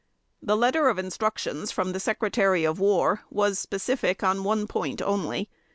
The letter of instructions, from the Secretary of War, was specific on one point only.